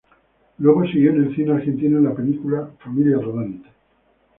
Luego siguió en el cine argentino, en la película "Familia rodante".